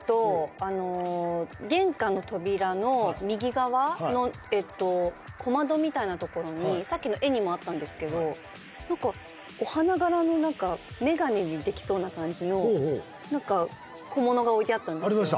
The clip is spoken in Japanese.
あの玄関の扉の右側の小窓みたいなところにさっきの絵にもあったんですけどお花柄の何かメガネにできそうな感じの何か小物が置いてあったんですありました？